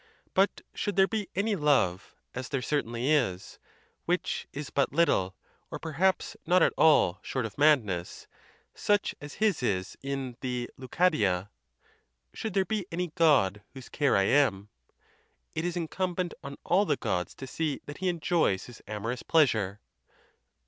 But should there be any love—as there certainly is—which is but little, or per haps not at all, short of madness, such as his is in the Leucadia— Should there be any God whose care I am— it is incumbent on all the Gods to see that he enjoys his amorous pleasure.